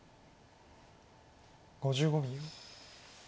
５５秒。